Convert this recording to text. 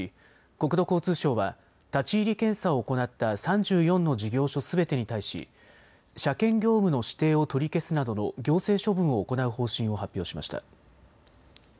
国土交通省は立ち入り検査を行った３４の事業所すべてに対し車検業務の指定を取り消すなどの行政処分を行う方針を発表しました。